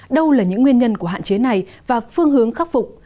đâu là những nguyên nhân của hạn chế này và phương hướng khắc phục